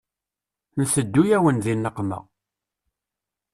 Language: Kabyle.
Nteddu-yawen di nneqma.